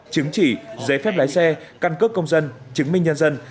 chứng chỉ giấy phép lái xe căn cước công dân chứng minh nhân dân